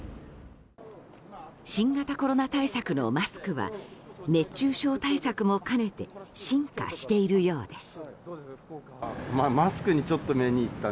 新型コロナ対策のマスクは熱中症対策も兼ねて進化しているようです。